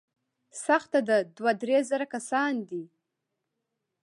سخته ده، دوه، درې زره کسان دي.